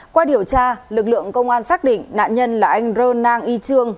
qua điều tra lực lượng công an xác định nạn nhân là anh rơn nang y trương